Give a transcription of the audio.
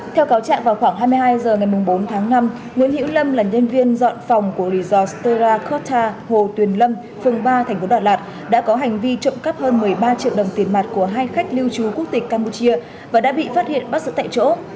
theo cáo trạng vào khoảng hai mươi hai h ngày bốn tháng năm nguyễn hiễu lâm là nhân viên dọn phòng của resort stera contta hồ tuyền lâm phường ba tp đà lạt đã có hành vi trộm cắp hơn một mươi ba triệu đồng tiền mặt của hai khách lưu trú quốc tịch campuchia và đã bị phát hiện bắt giữ tại chỗ